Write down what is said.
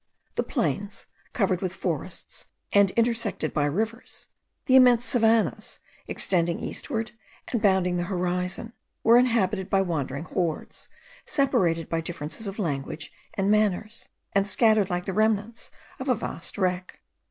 The plains, covered with forests, and intersected by rivers; the immense savannahs, extending eastward, and bounding the horizon; were inhabited by wandering hordes, separated by differences of language and manners, and scattered like the remnants of a vast wreck.